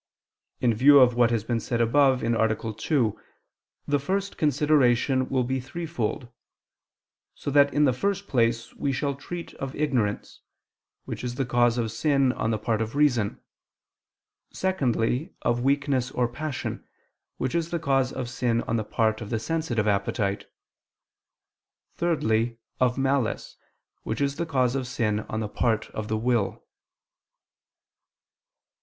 In view of what has been said above (A. 2), the first consideration will be threefold: so that in the first place we shall treat of ignorance, which is the cause of sin on the part of reason; secondly, of weakness or passion, which is the cause of sin on the part of the sensitive appetite; thirdly, of malice, which is the cause of sin on the part of the will.